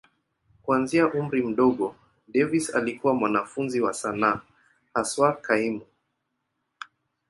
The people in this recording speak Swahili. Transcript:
Kuanzia umri mdogo, Davis alikuwa mwanafunzi wa sanaa, haswa kaimu.